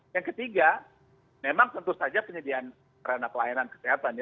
yang ketiga memang tentu saja penyediaan perana pelayanan kesehatan